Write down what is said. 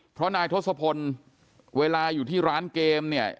เพราะนายทศพลเวลาอยู่ที่ร้านเกมเนี่ย